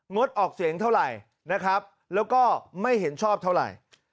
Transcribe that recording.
ดออกเสียงเท่าไหร่นะครับแล้วก็ไม่เห็นชอบเท่าไหร่